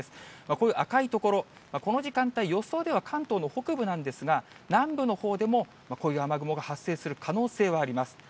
こういう赤い所、この時間帯、予想では関東の北部なんですが、南部のほうでもこういう雨雲が発生する可能性はあります。